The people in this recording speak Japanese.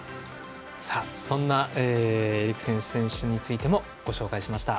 そんなエリクセン選手についてもご紹介しました。